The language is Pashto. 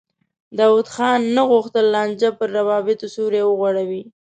داود خان نه غوښتل لانجه پر روابطو سیوری وغوړوي.